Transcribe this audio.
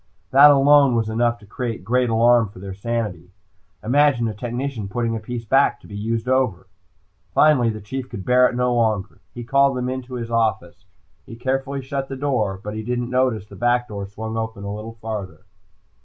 That alone was enough to create great alarm for their sanity. Imagine a technician putting a piece back to be used over! Finally the Chief could bear it no longer. He called them into his office. He carefully shut the door, but he didn't notice the back door swung open a little farther.